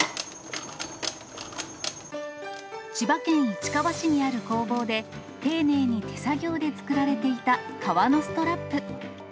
千葉県市川市にある工房で、丁寧に手作業で作られていた革のストラップ。